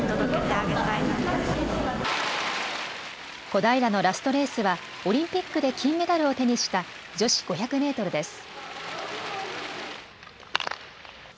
小平のラストレースはオリンピックで金メダルを手にした女子５００メートルです。